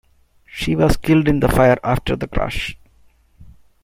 She was killed in the fire after the crash.